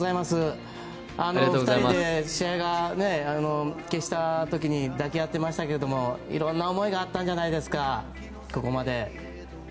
２人で、試合が決した時には抱き合ってましたけどいろんな思いがあったんじゃないですか、ここまで。